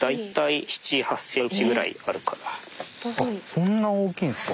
そんな大きいんですか。